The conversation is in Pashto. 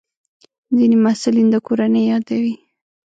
ځینې محصلین د کورنۍ یادوي.